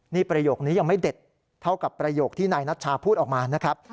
นี่ประโยคนี้ยังไม่เด็ดเท่ากับประโยคที่นายนัชชาพูดออกมานะครับ